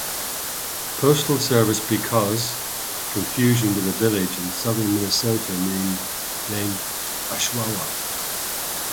Postal Service "because confusion with a village in southern Minnesota named Oshawa".